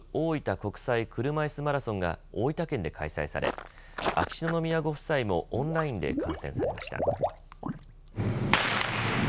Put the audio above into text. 国際車いすマラソンが大分県で開催され秋篠宮ご夫妻もオンラインで観戦されました。